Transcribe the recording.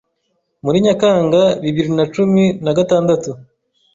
Muri Nyakanga bibiri na cumi nagatandatu